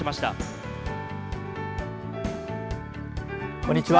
こんにちは。